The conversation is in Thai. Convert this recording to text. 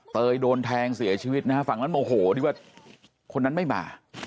เตยโดนแทงเสียชีวิตนะฮะฝั่งนั้นโมโหที่ว่าคนนั้นไม่มา